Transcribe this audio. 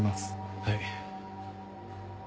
はい。